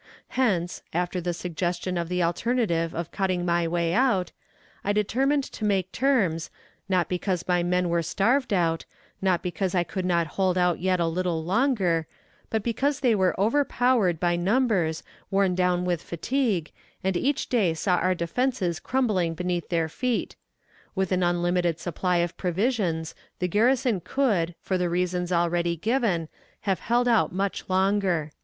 Hence, after the suggestion of the alternative of cutting my way out, I determined to make terms, not because my men were starved out, not because I could not hold out yet a little longer, but because they were overpowered by numbers, worn down with fatigue, and each day saw our defenses crumbling beneath their feet. ... With an unlimited supply of provisions, the garrison could, for the reasons already given, have held out much longer."